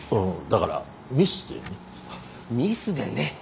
だからミスでね。